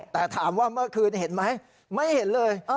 แต่ถามว่าเมื่อคืนเห็นไหมไม่เห็นเลย